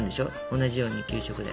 同じように給食で。